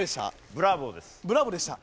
ブラボーでした？